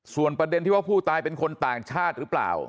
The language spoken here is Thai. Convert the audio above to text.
ส่วนประเด็นที่ว่าผู้ตายเป็นคนต่างชาติหรือเปล่า